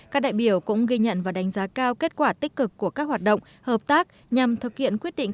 các đại biểu cũng ghi nhận và đánh giá cao kết quả tích cực của các hoạt động hợp tác nhằm thực hiện quyết định